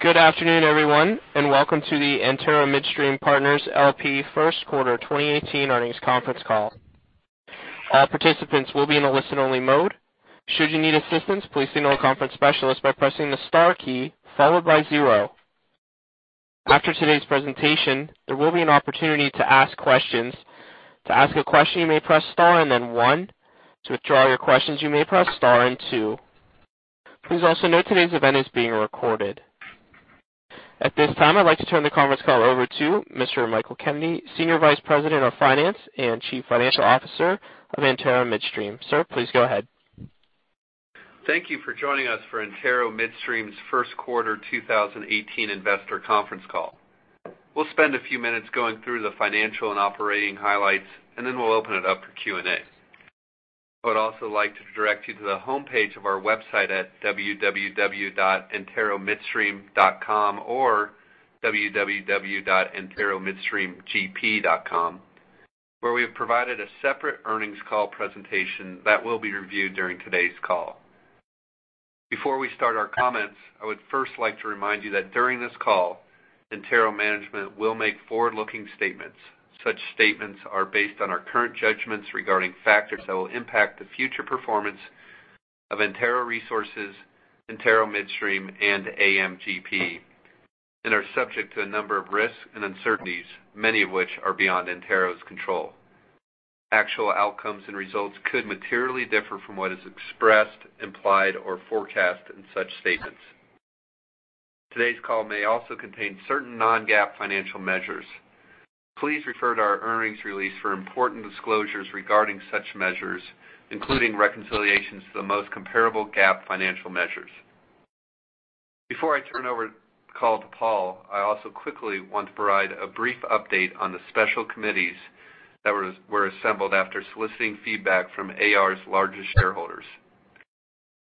Good afternoon, everyone, and welcome to the Antero Midstream Partners LP First Quarter 2018 Earnings Conference Call. All participants will be in a listen-only mode. Should you need assistance, please signal a conference specialist by pressing the star key followed by zero. After today's presentation, there will be an opportunity to ask questions. To ask a question, you may press star and then one. To withdraw your questions, you may press star and two. Please also note today's event is being recorded. At this time, I'd like to turn the conference call over to Mr. Michael Kennedy, Senior Vice President of Finance and Chief Financial Officer of Antero Midstream. Sir, please go ahead. Thank you for joining us for Antero Midstream's first quarter 2018 investor conference call. We'll spend a few minutes going through the financial and operating highlights. Then we'll open it up for Q&A. I would also like to direct you to the homepage of our website at www.anteromidstream.com or www.anteromidstreamgp.com, where we have provided a separate earnings call presentation that will be reviewed during today's call. Before we start our comments, I would first like to remind you that during this call, Antero management will make forward-looking statements. Such statements are based on our current judgments regarding factors that will impact the future performance of Antero Resources, Antero Midstream, and AMGP, and are subject to a number of risks and uncertainties, many of which are beyond Antero's control. Actual outcomes and results could materially differ from what is expressed, implied, or forecast in such statements. Today's call may also contain certain non-GAAP financial measures. Please refer to our earnings release for important disclosures regarding such measures, including reconciliations to the most comparable GAAP financial measures. Before I turn over the call to Paul, I also quickly want to provide a brief update on the special committees that were assembled after soliciting feedback from AR's largest shareholders.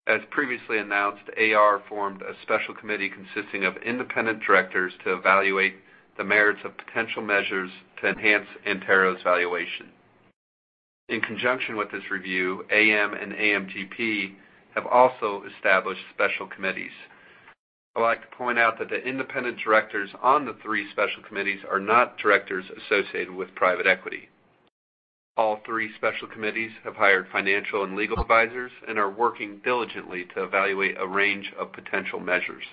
As previously announced, AR formed a special committee consisting of independent directors to evaluate the merits of potential measures to enhance Antero's valuation. In conjunction with this review, AM and AMGP have also established special committees. I'd like to point out that the independent directors on the three special committees are not directors associated with private equity. All three special committees have hired financial and legal advisors and are working diligently to evaluate a range of potential measures.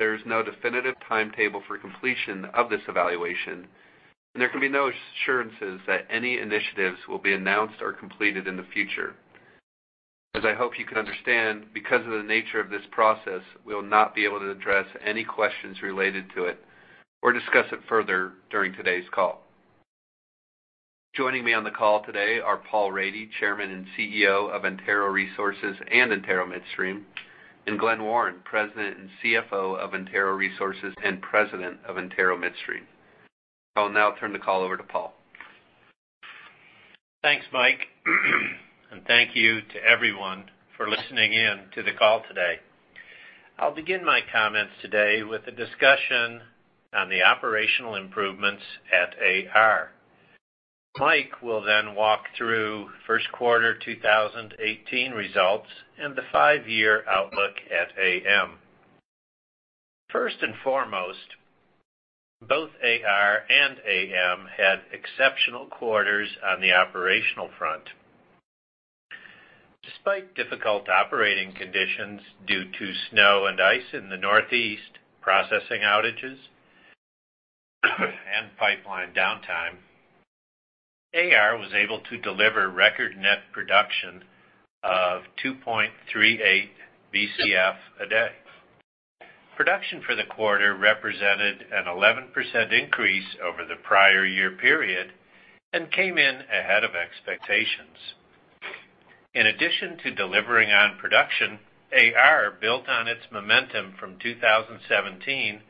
There is no definitive timetable for completion of this evaluation. There can be no assurances that any initiatives will be announced or completed in the future. As I hope you can understand, because of the nature of this process, we will not be able to address any questions related to it or discuss it further during today's call. Joining me on the call today are Paul Rady, Chairman and CEO of Antero Resources and Antero Midstream, and Glen Warren, President and CFO of Antero Resources and President of Antero Midstream. I'll now turn the call over to Paul. Thanks, Mike. Thank you to everyone for listening in to the call today. I'll begin my comments today with a discussion on the operational improvements at AR. Mike will then walk through first quarter 2018 results and the five-year outlook at AM. First and foremost, both AR and AM had exceptional quarters on the operational front. Despite difficult operating conditions due to snow and ice in the Northeast, processing outages, and pipeline downtime, AR was able to deliver record net production of 2.38 Bcf a day. Production for the quarter represented an 11% increase over the prior year period and came in ahead of expectations. In addition to delivering on production, AR built on its momentum from 2017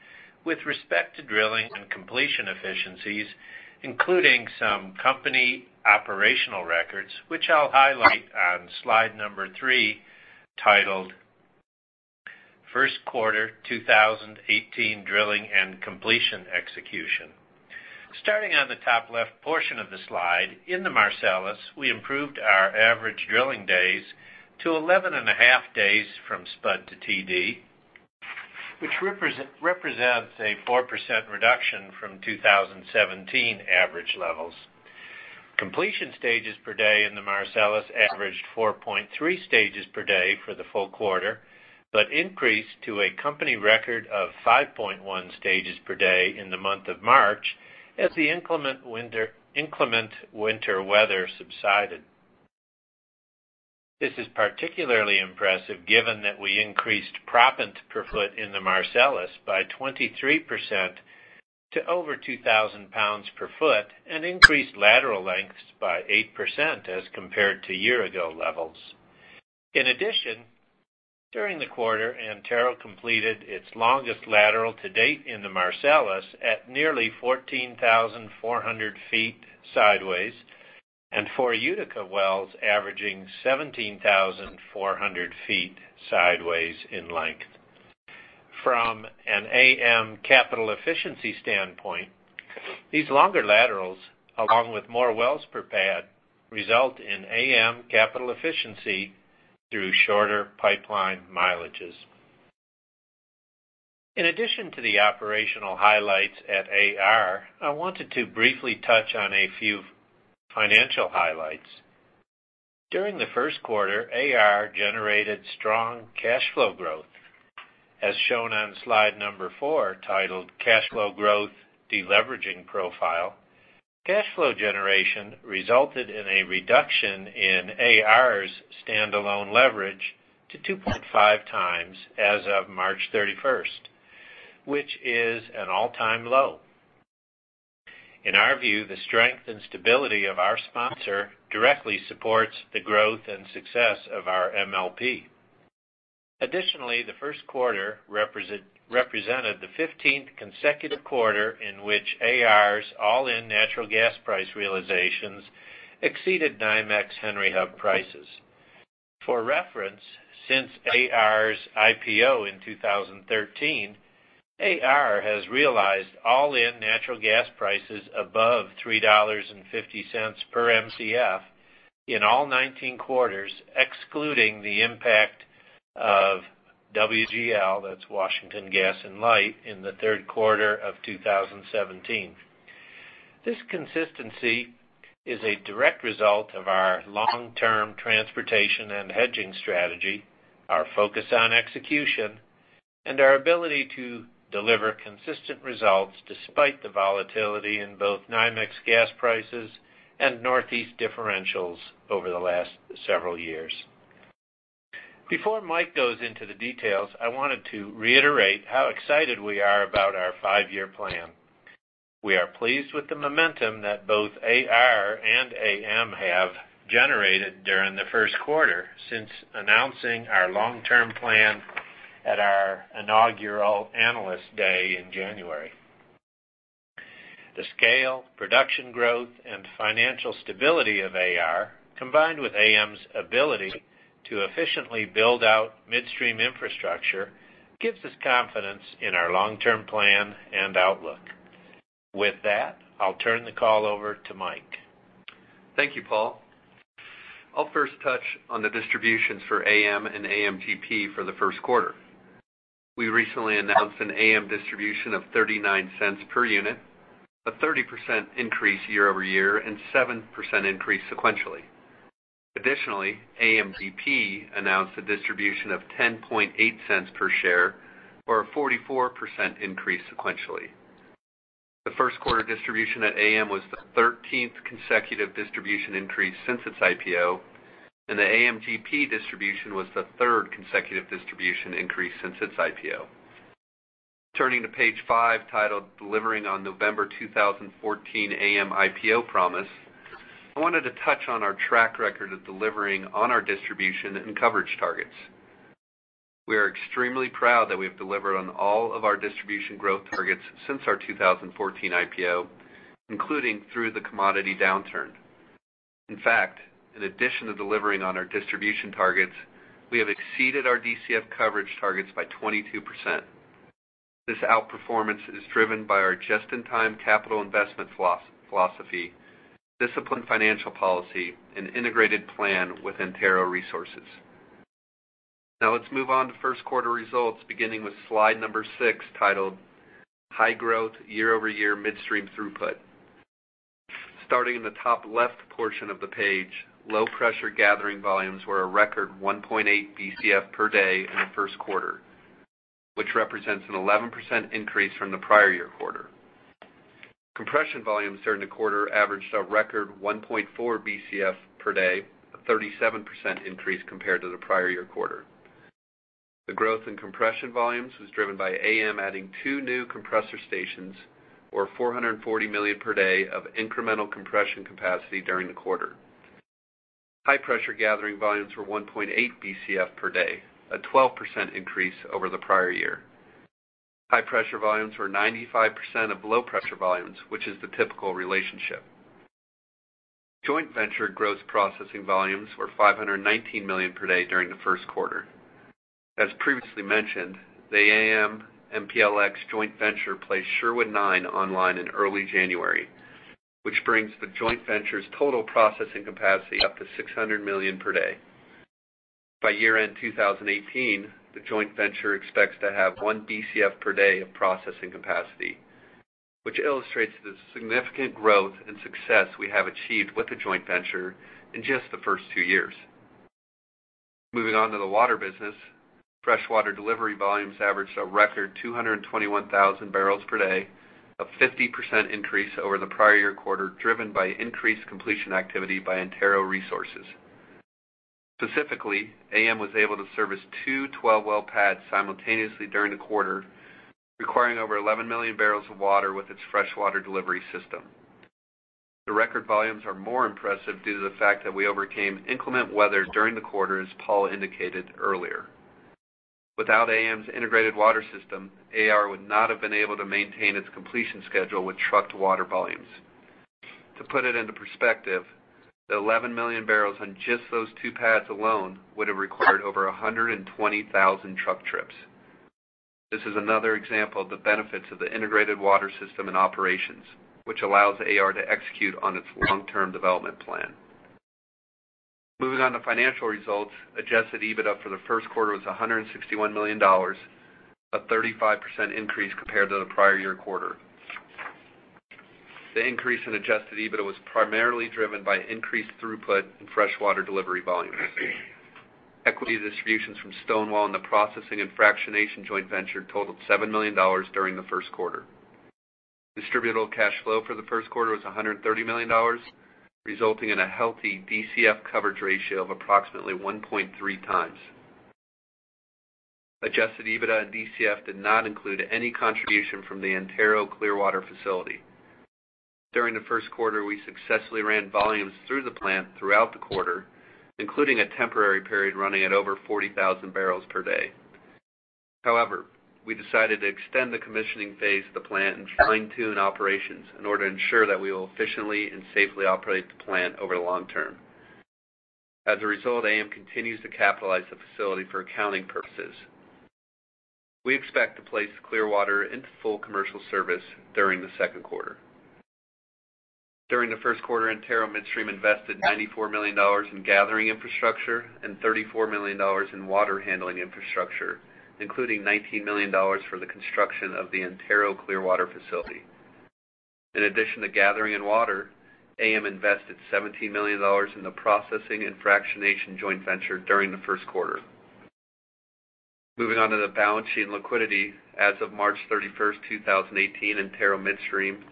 with respect to drilling and completion efficiencies, including some company operational records, which I'll highlight on slide number three, titled "First Quarter 2018 Drilling and Completion Execution." Starting on the top left portion of the slide, in the Marcellus, we improved our average drilling days to 11.5 days from spud to TD, which represents a 4% reduction from 2017 average levels. Completion stages per day in the Marcellus averaged 4.3 stages per day for the full quarter, but increased to a company record of 5.1 stages per day in the month of March as the inclement winter weather subsided. This is particularly impressive given that we increased proppant per foot in the Marcellus by 23% to over 2,000 pounds per foot and increased lateral lengths by 8% as compared to year-ago levels. In addition, during the quarter, Antero completed its longest lateral to date in the Marcellus at nearly 14,400 feet sideways and four Utica wells averaging 17,400 feet sideways in length. From an AM capital efficiency standpoint, these longer laterals, along with more wells per pad, result in AM capital efficiency through shorter pipeline mileages. In addition to the operational highlights at AR, I wanted to briefly touch on a few financial highlights. During the first quarter, AR generated strong cash flow growth, as shown on slide number four, titled Cash Flow Growth Deleveraging Profile. Cash flow generation resulted in a reduction in AR's standalone leverage to 2.5 times as of March 31st, which is an all-time low. In our view, the strength and stability of our sponsor directly supports the growth and success of our MLP. Additionally, the first quarter represented the 15th consecutive quarter in which AR's all-in natural gas price realizations exceeded NYMEX Henry Hub prices. For reference, since AR's IPO in 2013, AR has realized all-in natural gas prices above $3.50 per Mcf in all 19 quarters, excluding the impact of WGL, that's Washington Gas and Light, in the third quarter of 2017. This consistency is a direct result of our long-term transportation and hedging strategy, our focus on execution, and our ability to deliver consistent results despite the volatility in both NYMEX gas prices and Northeast differentials over the last several years. Before Mike goes into the details, I wanted to reiterate how excited we are about our five-year plan. We are pleased with the momentum that both AR and AM have generated during the first quarter, since announcing our long-term plan at our inaugural Analyst Day in January. The scale, production growth, and financial stability of AR, combined with AM's ability to efficiently build out midstream infrastructure gives us confidence in our long-term plan and outlook. With that, I'll turn the call over to Mike. Thank you, Paul. I'll first touch on the distributions for AM and AMGP for the first quarter. We recently announced an AM distribution of $0.39 per unit, a 30% increase year-over-year, and 7% increase sequentially. Additionally, AMGP announced a distribution of $0.108 per share, or a 44% increase sequentially. The first quarter distribution at AM was the 13th consecutive distribution increase since its IPO, and the AMGP distribution was the third consecutive distribution increase since its IPO. Turning to page five, titled "Delivering on November 2014 AM IPO Promise," I wanted to touch on our track record of delivering on our distribution and coverage targets. We are extremely proud that we have delivered on all of our distribution growth targets since our 2014 IPO, including through the commodity downturn. In fact, in addition to delivering on our distribution targets, we have exceeded our DCF coverage targets by 22%. This outperformance is driven by our just-in-time capital investment philosophy, disciplined financial policy, and integrated plan with Antero Resources. Now let's move on to first quarter results, beginning with slide number six, titled "High Growth Year-Over-Year Midstream Throughput." Starting in the top left portion of the page, low-pressure gathering volumes were a record 1.8 Bcf per day in the first quarter, which represents an 11% increase from the prior year quarter. Compression volumes during the quarter averaged a record 1.4 Bcf per day, a 37% increase compared to the prior year quarter. The growth in compression volumes was driven by AM adding two new compressor stations, or 440 million per day of incremental compression capacity during the quarter. High-pressure gathering volumes were 1.8 Bcf per day, a 12% increase over the prior year. High-pressure volumes were 95% of low-pressure volumes, which is the typical relationship. Joint venture gross processing volumes were 519 million per day during the first quarter. As previously mentioned, the AM MPLX joint venture placed Sherwood 9 online in early January, which brings the joint venture's total processing capacity up to 600 million per day. By year-end 2018, the joint venture expects to have 1 Bcf per day of processing capacity, which illustrates the significant growth and success we have achieved with the joint venture in just the first two years. Moving on to the water business. Freshwater delivery volumes averaged a record 221,000 barrels per day, a 50% increase over the prior year quarter, driven by increased completion activity by Antero Resources. Specifically, AM was able to service two 12-well pads simultaneously during the quarter, requiring over 11 million barrels of water with its freshwater delivery system. The record volumes are more impressive due to the fact that we overcame inclement weather during the quarter, as Paul indicated earlier. Without AM's integrated water system, AR would not have been able to maintain its completion schedule with trucked water volumes. To put it into perspective, the 11 million barrels on just those two pads alone would have required over 120,000 truck trips. This is another example of the benefits of the integrated water system and operations, which allows AR to execute on its long-term development plan. Moving on to financial results. Adjusted EBITDA for the first quarter was $161 million, a 35% increase compared to the prior year quarter. The increase in adjusted EBITDA was primarily driven by increased throughput in freshwater delivery volumes. Equity distributions from Stonewall and the processing and fractionation joint venture totaled $7 million during the first quarter. Distributable cash flow for the first quarter was $130 million, resulting in a healthy DCF coverage ratio of approximately 1.3 times. Adjusted EBITDA and DCF did not include any contribution from the Antero Clearwater Facility. During the first quarter, we successfully ran volumes through the plant throughout the quarter, including a temporary period running at over 40,000 barrels per day. However, we decided to extend the commissioning phase of the plant and fine-tune operations in order to ensure that we will efficiently and safely operate the plant over the long term. As a result, AM continues to capitalize the facility for accounting purposes. We expect to place Clearwater into full commercial service during the second quarter. During the first quarter, Antero Midstream invested $94 million in gathering infrastructure and $34 million in water handling infrastructure, including $19 million for the construction of the Antero Clearwater Facility. In addition to gathering and water, AM invested $17 million in the processing and fractionation joint venture during the first quarter. Moving on to the balance sheet and liquidity, as of March 31st, 2018, Antero Midstream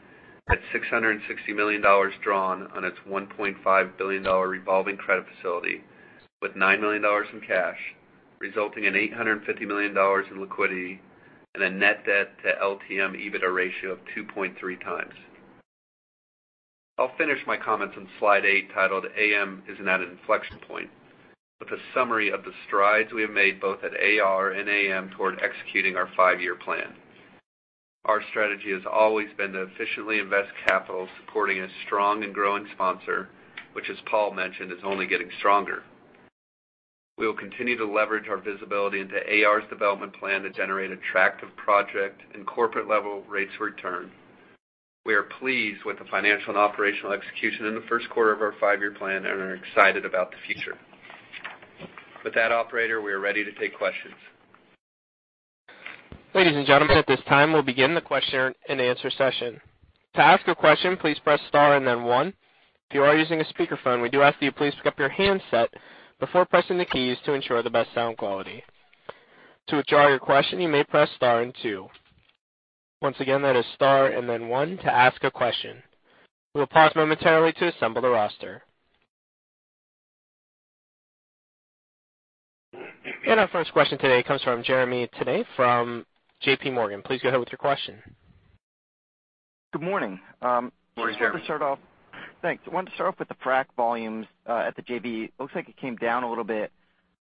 had $660 million drawn on its $1.5 billion revolving credit facility with $9 million in cash, resulting in $850 million in liquidity and a net debt to LTM EBITDA ratio of 2.3 times. I'll finish my comments on slide eight, titled "AM is at an inflection point," with a summary of the strides we have made both at AR and AM toward executing our five-year plan. Our strategy has always been to efficiently invest capital, supporting a strong and growing sponsor, which, as Paul mentioned, is only getting stronger. We will continue to leverage our visibility into AR's development plan to generate attractive project and corporate-level rates of return. We are pleased with the financial and operational execution in the first quarter of our five-year plan and are excited about the future. With that, operator, we are ready to take questions. Ladies and gentlemen, at this time, we'll begin the question and answer session. To ask a question, please press star and then one. If you are using a speakerphone, we do ask that you please pick up your handset before pressing the keys to ensure the best sound quality. To withdraw your question, you may press star and two. Once again, that is star and then one to ask a question. We'll pause momentarily to assemble the roster. Our first question today comes from Jeremy Tonet from JPMorgan. Please go ahead with your question. Good morning. Morning, Jeremy. Thanks. I wanted to start off with the frac volumes at the JV. It looks like it came down a little bit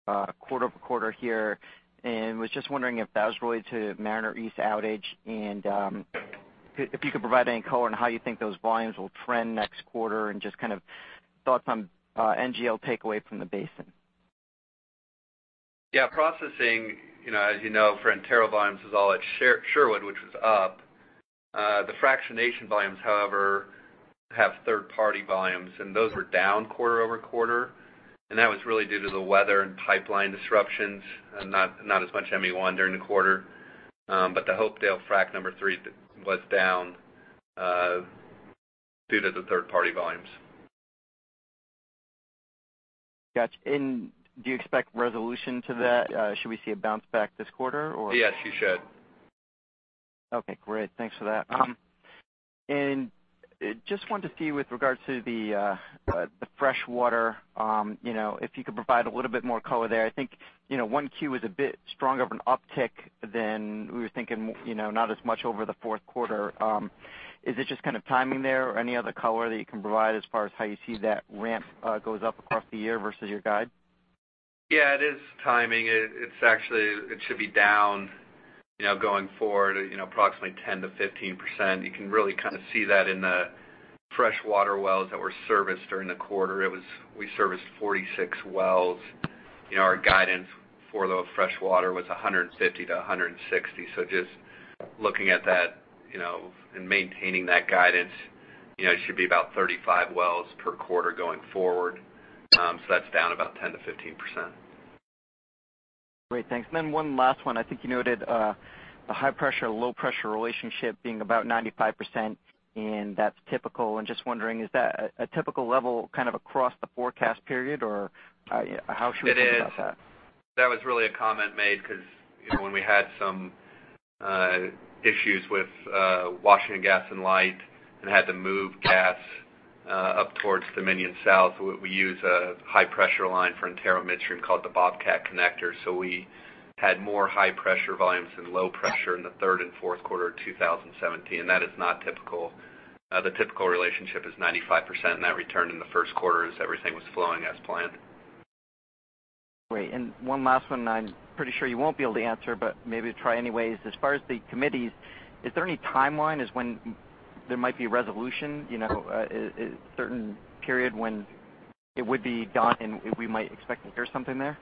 quarter-over-quarter here, was just wondering if that was related to Mariner East outage and if you could provide any color on how you think those volumes will trend next quarter and just kind of thoughts on NGL takeaway from the basin. Yeah. Processing, as you know, for Antero volumes, is all at Sherwood, which was up. The fractionation volumes, however, have third-party volumes, and those were down quarter-over-quarter. That was really due to the weather and pipeline disruptions and not as much ME1 during the quarter. The Hopedale frac number 3 was down due to the third-party volumes. Got you. Do you expect resolution to that? Should we see a bounce back this quarter or? Yes, you should. Okay, great. Thanks for that. Just wanted to see with regards to the fresh water, if you could provide a little bit more color there. I think 1Q was a bit stronger of an uptick than we were thinking, not as much over the fourth quarter. Is it just kind of timing there or any other color that you can provide as far as how you see that ramp goes up across the year versus your guide? Yeah, it is timing. It should be down going forward approximately 10%-15%. You can really kind of see that in the fresh water wells that were serviced during the quarter. We serviced 46 wells. Our guidance for those fresh water was 150-160. Just looking at that and maintaining that guidance, it should be about 35 wells per quarter going forward. That's down about 10%-15%. Great. Thanks. One last one. I think you noted a high pressure, low pressure relationship being about 95%, and that's typical. I'm just wondering, is that a typical level kind of across the forecast period or how should we think about that? That was really a comment made because when we had some issues with Washington Gas Light Company and had to move gas up towards Dominion South, we use a high-pressure line for Antero Midstream called the Bobcat Connector. We had more high-pressure volumes than low pressure in the third and fourth quarter of 2017. That is not typical. The typical relationship is 95%, and that returned in the first quarter as everything was flowing as planned. Great. One last one, I'm pretty sure you won't be able to answer, but maybe try anyways. As far as the committees, is there any timeline as when there might be a resolution? A certain period when it would be done and we might expect to hear something there?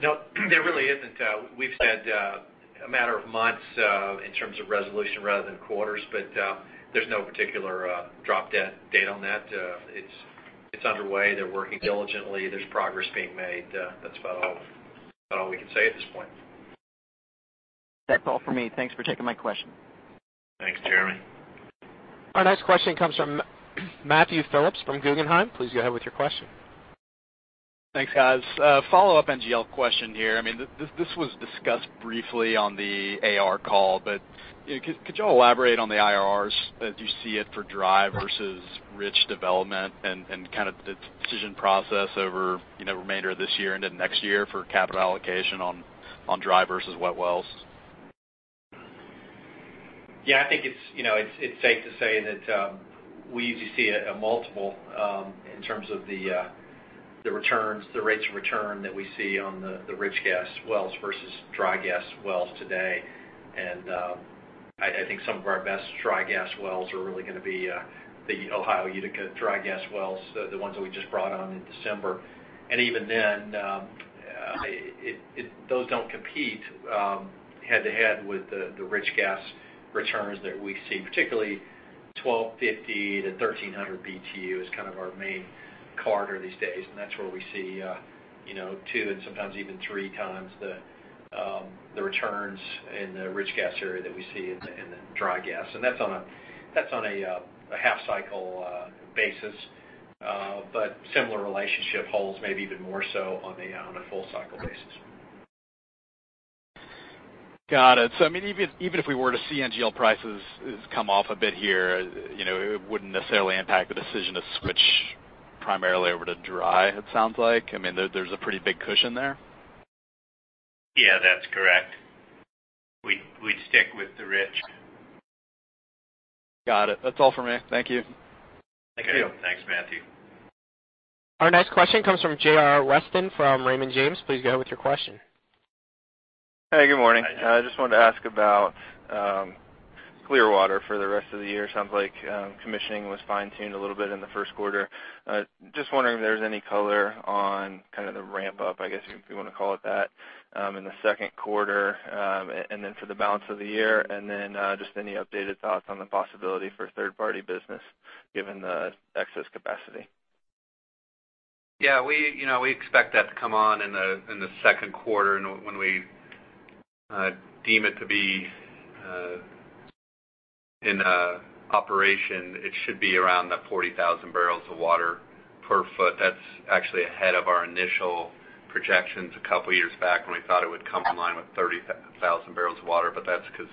No, there really isn't. We've said a matter of months in terms of resolution rather than quarters, but there's no particular drop-dead date on that. It's underway. They're working diligently. There's progress being made. That's about all we can say at this point. That's all for me. Thanks for taking my question. Thanks, Jeremy. Our next question comes from Matthew Phillips from Guggenheim. Please go ahead with your question. Thanks, guys. A follow-up NGL question here. This was discussed briefly on the AR call, but could y'all elaborate on the IRRs as you see it for dry versus rich development and the decision process over the remainder of this year into next year for capital allocation on dry versus wet wells? Yeah, I think it's safe to say that we usually see a multiple in terms of the rates of return that we see on the rich gas wells versus dry gas wells today. I think some of our best dry gas wells are really going to be the Ohio Utica dry gas wells, the ones that we just brought on in December. Even then, those don't compete head-to-head with the rich gas returns that we see, particularly 1,250 to 1,300 BTU is kind of our main corridor these days, and that's where we see two and sometimes even three times the returns in the rich gas area that we see in the dry gas. That's on a half-cycle basis. Similar relationship holds maybe even more so on a full-cycle basis. Got it. Even if we were to see NGL prices come off a bit here, it wouldn't necessarily impact the decision to switch primarily over to dry, it sounds like. There's a pretty big cushion there? Yeah, that's correct. We'd stick with the rich. Got it. That's all for me. Thank you. Thank you. Thanks, Matthew. Our next question comes from J.R. Weston from Raymond James. Please go ahead with your question. Hey, good morning. Hi. I just wanted to ask about Clearwater for the rest of the year. Sounds like commissioning was fine-tuned a little bit in the first quarter. Just wondering if there's any color on the ramp-up, I guess if you want to call it that, in the second quarter, for the balance of the year, and just any updated thoughts on the possibility for third-party business given the excess capacity. We expect that to come on in the second quarter, and when we deem it to be in operation, it should be around that 40,000 barrels of water per foot. That's actually ahead of our initial projections a couple of years back when we thought it would come online with 30,000 barrels of water. That's because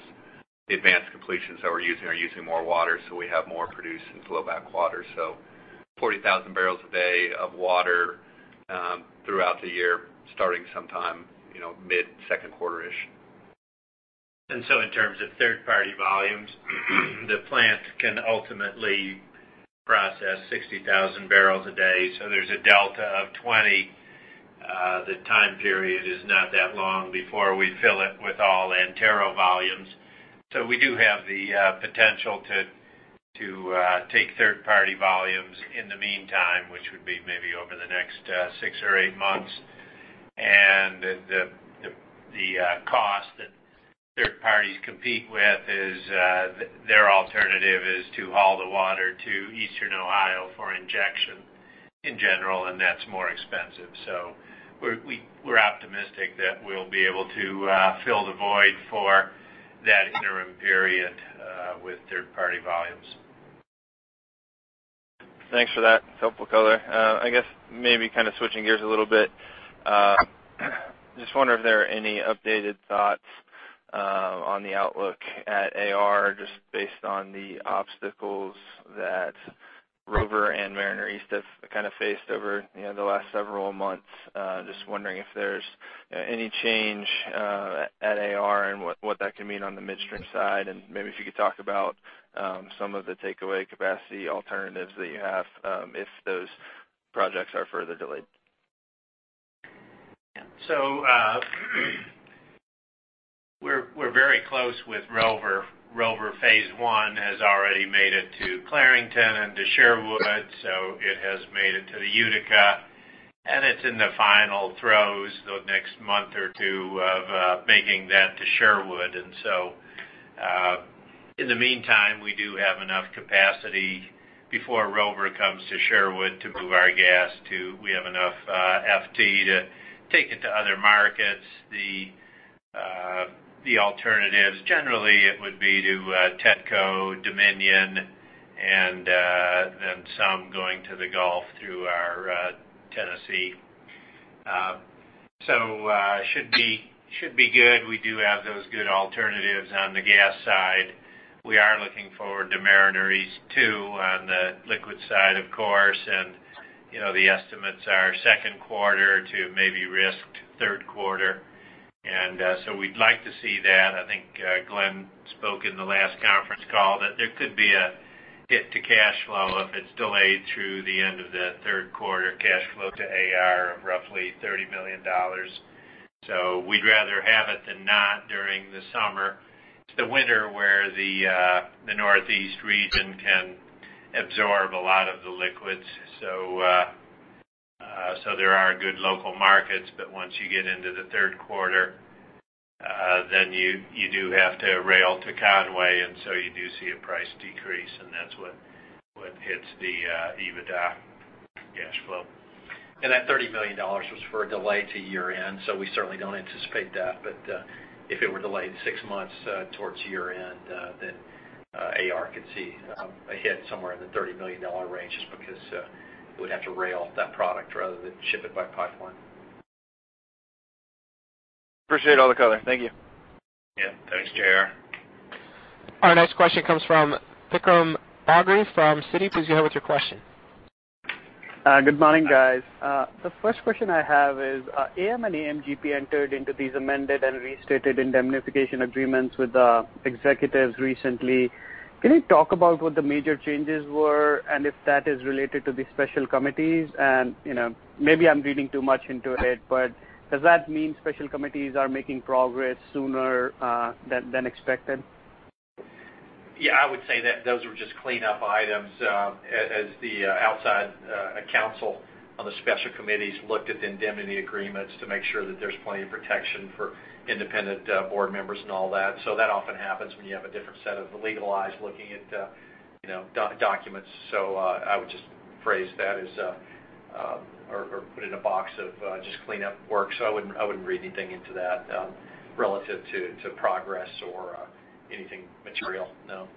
the advanced completions that we're using are using more water, we have more produced in flowback water. 40,000 barrels a day of water throughout the year, starting sometime mid-second quarter-ish. In terms of third-party volumes, the plant can ultimately process 60,000 barrels a day. There's a delta of 20. The time period is not that long before we fill it with all Antero volumes. We do have the potential to take third-party volumes in the meantime, which would be maybe over the next six or eight months. The cost that third parties compete with is their alternative is to haul the water to Eastern Ohio for injection in general, and that's more expensive. We're optimistic that we'll be able to fill the void for that interim period with third-party volumes. Thanks for that helpful color. I guess maybe switching gears a little bit, just wonder if there are any updated thoughts on the outlook at AR just based on the obstacles that Rover and Mariner East have faced over the last several months. Just wondering if there's any change at AR and what that can mean on the midstream side, and maybe if you could talk about some of the takeaway capacity alternatives that you have if those projects are further delayed. We're very close with Rover. Rover phase 1 has already made it to Clarington and to Sherwood, it has made it to the Utica, and it's in the final throes the next month or two of making that to Sherwood. In the meantime, we do have enough capacity before Rover comes to Sherwood to move our gas. We have enough FT to take it to other markets. The alternatives, generally it would be to TETCO, Dominion, and then some going to the Gulf through Tennessee. Should be good. We do have those good alternatives on the gas side. We are looking forward to Mariner East 2 on the liquid side, of course, and the estimates are second quarter to maybe risked third quarter. We'd like to see that. I think Glen spoke in the last conference call that there could be a hit to cash flow if it's delayed through the end of the third quarter, cash flow to AR of roughly $30 million. We'd rather have it than not during the summer. It's the winter where the Northeast region can absorb a lot of the liquids. There are good local markets, but once you get into the third quarter, you do have to rail to Conway, and you do see a price decrease, and that's what hits the EBITDA cash flow. That $30 million was for a delay to year-end, we certainly don't anticipate that. If it were delayed six months towards year-end, AR could see a hit somewhere in the $30 million range just because we would have to rail that product rather than ship it by pipeline. Appreciate all the color. Thank you. Yeah. Thanks, J.R. Our next question comes from Vikram Bagri from Citi. Please go ahead with your question. Good morning, guys. The first question I have is, AM and AMGP entered into these amended and restated indemnification agreements with the executives recently. Can you talk about what the major changes were, if that is related to the special committees? Maybe I'm reading too much into it, but does that mean special committees are making progress sooner than expected? Yeah, I would say that those were just cleanup items as the outside counsel on the special committees looked at the indemnity agreements to make sure that there's plenty of protection for independent board members and all that. That often happens when you have a different set of legal eyes looking at documents. I would just phrase that as or put in a box of just cleanup work. I wouldn't read anything into that relative to progress or anything material, no.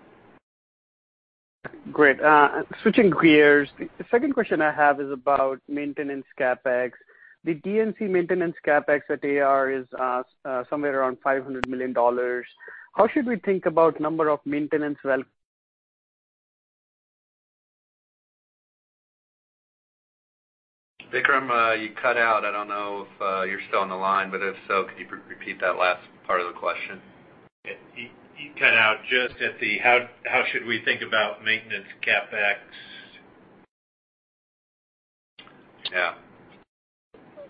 Great. Switching gears. The second question I have is about maintenance CapEx. The D&C maintenance CapEx at AR is somewhere around $500 million. How should we think about number of maintenance well- Vikram, you cut out. I don't know if you're still on the line, but if so, could you repeat that last part of the question? You cut out just at the, "How should we think about maintenance CapEx? Yeah.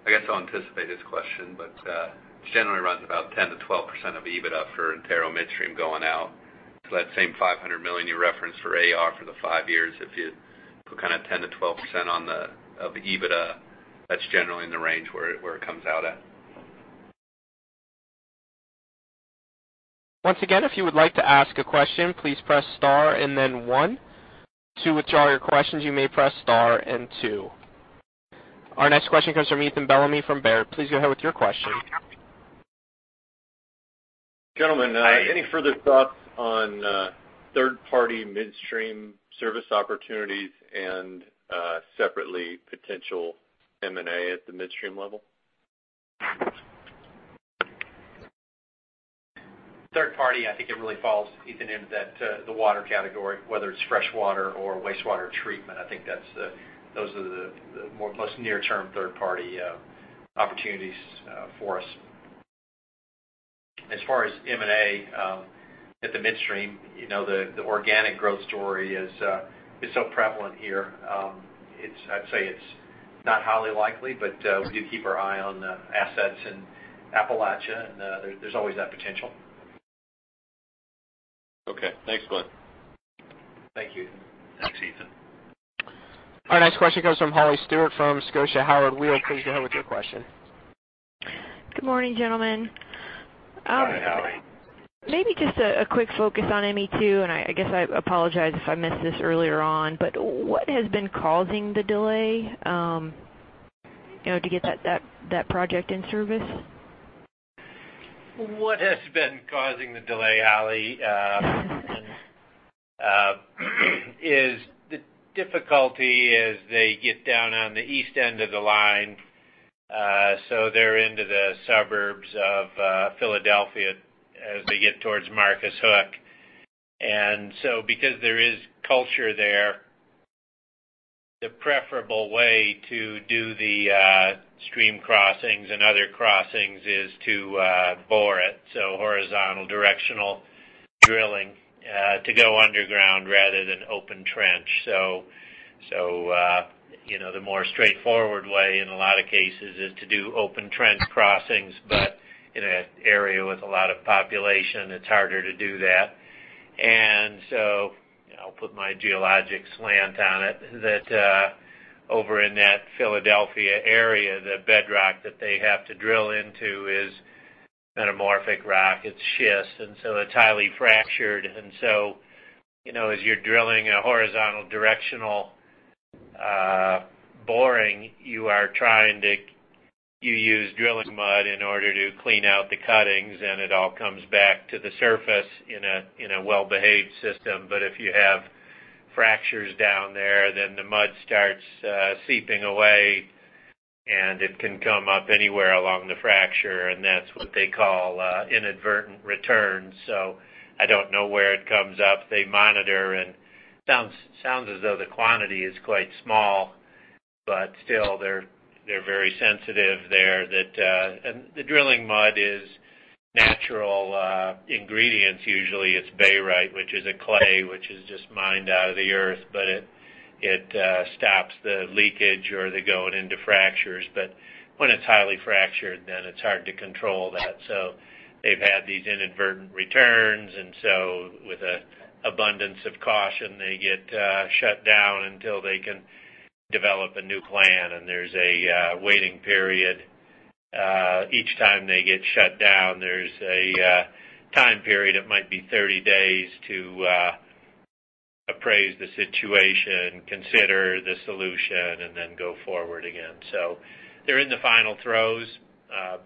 I guess I'll anticipate his question, but it generally runs about 10% to 12% of EBITDA for Antero Midstream going out. That same $500 million you referenced for AR for the five years, if you put kind of 10% to 12% of EBITDA, that's generally in the range where it comes out at. Once again, if you would like to ask a question, please press star and then one. To withdraw your questions, you may press star and two. Our next question comes from Ethan Bellamy from Baird. Please go ahead with your question. Gentlemen, any further thoughts on third-party midstream service opportunities and separately potential M&A at the midstream level? Third party, I think it really falls, Ethan, into the water category, whether it's fresh water or wastewater treatment. I think those are the most near-term third-party opportunities for us. As far as M&A at the midstream, the organic growth story is so prevalent here. I'd say it's not highly likely, but we do keep our eye on assets in Appalachia, there's always that potential. Okay. Thanks, Glen. Thank you. Thanks, Ethan. Our next question comes from Holly Stewart from Scotia Howard Weil. Please go ahead with your question. Good morning, gentlemen. Hi, Holly. Maybe just a quick focus on ME2. I guess I apologize if I missed this earlier on, what has been causing the delay to get that project in service? What has been causing the delay, Holly, is the difficulty as they get down on the east end of the line. They're into the suburbs of Philadelphia as they get towards Marcus Hook. Because there is culture there, the preferable way to do the stream crossings and other crossings is to bore it, so horizontal directional drilling to go underground rather than open trench. The more straightforward way in a lot of cases is to do open trench crossings, but in an area with a lot of population, it's harder to do that. I'll put my geologic slant on it, that over in that Philadelphia area, the bedrock that they have to drill into is metamorphic rock. It's schist, and so it's highly fractured. As you're drilling a horizontal directional boring, you use drilling mud in order to clean out the cuttings, and it all comes back to the surface in a well-behaved system. If you have fractures down there, the mud starts seeping away, and it can come up anywhere along the fracture, and that's what they call inadvertent return. I don't know where it comes up. They monitor and sounds as though the quantity is quite small But still, they're very sensitive there. The drilling mud is natural ingredients. Usually, it's barite, which is a clay, which is just mined out of the earth, but it stops the leakage or the going into fractures. When it's highly fractured, it's hard to control that. They've had these inadvertent returns. With an abundance of caution, they get shut down until they can develop a new plan, and there's a waiting period. Each time they get shut down, there's a time period, it might be 30 days, to appraise the situation, consider the solution, and then go forward again. They're in the final throes,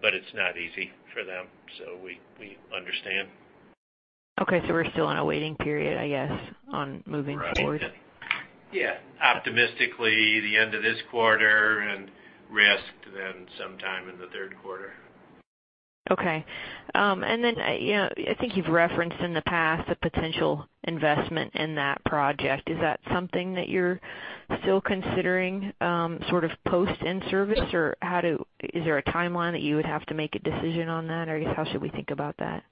but it's not easy for them, so we understand. Okay, we're still on a waiting period, I guess, on moving forward. Right. Yeah. Optimistically, the end of this quarter, and risk then sometime in the third quarter. Okay. I think you've referenced in the past a potential investment in that project. Is that something that you're still considering post in-service? Is there a timeline that you would have to make a decision on that? I guess, how should we think about that?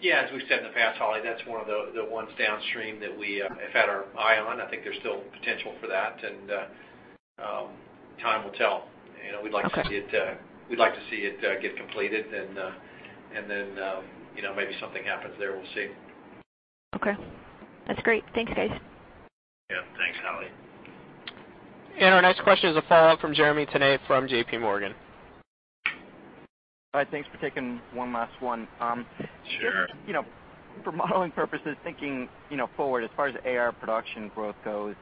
Yeah. As we've said in the past, Holly, that's one of the ones downstream that we have had our eye on. I think there's still potential for that. Time will tell. Okay. We'd like to see it get completed. Maybe something happens there. We'll see. Okay. That's great. Thanks, guys. Yeah, thanks, Holly. Our next question is a follow-up from Jeremy Tonet, from JPMorgan. Hi. Thanks for taking one last one. Sure. For modeling purposes, thinking forward as far as AR production growth goes,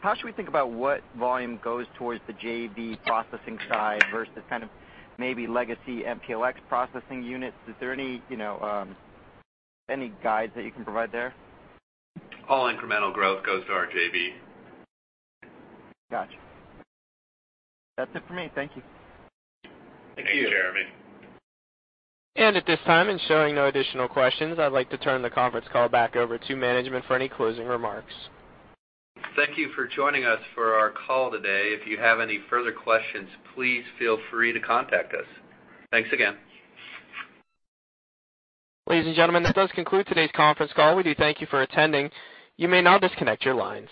how should we think about what volume goes towards the JV processing side versus maybe legacy MPLX processing units? Is there any guides that you can provide there? All incremental growth goes to our JV. Got you. That's it for me. Thank you. Thank you. Thanks, Jeremy. At this time, in showing no additional questions, I'd like to turn the conference call back over to management for any closing remarks. Thank you for joining us for our call today. If you have any further questions, please feel free to contact us. Thanks again. Ladies and gentlemen, that does conclude today's conference call. We do thank you for attending. You may now disconnect your lines.